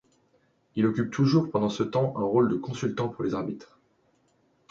Il occupe toujours pendant ce temps un rôle de consultant pour les arbitres.